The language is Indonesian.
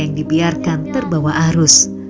yang dibiarkan terbawa arus